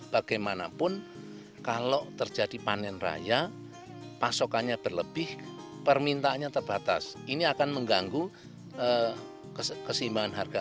bagaimanapun kalau terjadi panen raya pasokannya berlebih permintaannya terbatas ini akan mengganggu keseimbangan harga